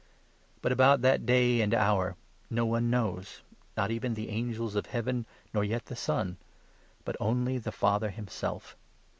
But about 36 that Day and Hour, no one knows — not even the angels of Heaven, nor yet the Son — but only the Father himself.